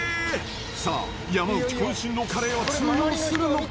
さあ、山内こん身のカレーは通用するのか。